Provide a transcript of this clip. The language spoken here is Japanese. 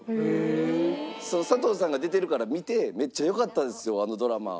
佐藤さんが出てるから見て「めっちゃ良かったですよあのドラマ」